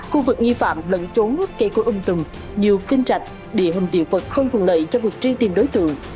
khu vực nghi phạm lẫn trốn cây côi ung tùng nhiều kinh trạch địa hình tiện vật không phùng lợi cho vực truy tìm đối tượng